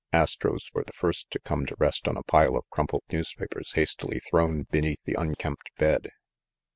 Astro's were the first to come to rest on a pile of crumpled newspapers hastily thrown beneath the unkempt bed.